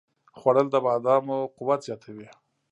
خوړل د بادامو قوت زیاتوي